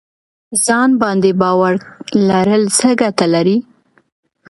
ځان باندې باور لرل څه ګټه لري؟